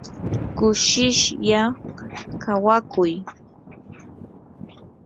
kushishlla kawakuy.